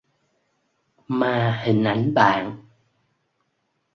Mà hình ảnh bạn